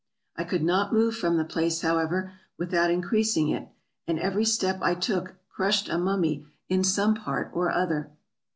I could not move from the place, however, without increas ing it, and every step I took crushed a mummy in some part or other.